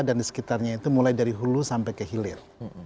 dan di sekitarnya itu mulai dari hulu sampai ke hilir